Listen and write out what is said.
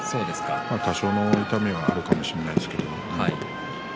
多少の痛みはあるかもしれませんけれども。